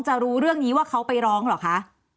รู้เรื่องนี้ว่าเขาไปร้องเหรอคะ